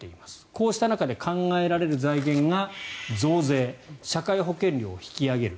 こうした中で考えられる財源が増税社会保険料引き上げる